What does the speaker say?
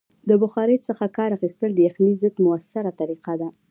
د بخارۍ څخه کار اخیستل د یخنۍ ضد مؤثره طریقه ده.